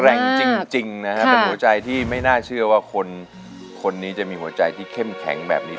แรงจริงนะฮะเป็นหัวใจที่ไม่น่าเชื่อว่าคนคนนี้จะมีหัวใจที่เข้มแข็งแบบนี้